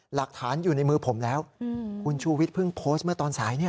หลักฐานอยู่ในมือผมแล้วคุณชูวิทยเพิ่งโพสต์เมื่อตอนสายเนี่ย